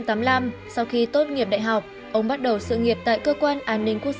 năm một nghìn chín trăm tám mươi năm sau khi tốt nghiệp đại học ông bắt đầu sự nghiệp tại cơ quan an ninh quốc